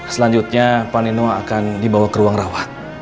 selanjutnya panino akan dibawa ke ruang rawat